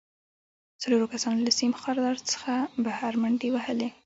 څلورو کسانو له سیم خاردار څخه بهر منډې وهلې